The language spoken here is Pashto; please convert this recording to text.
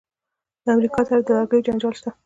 د امریکا سره د لرګیو جنجال شته.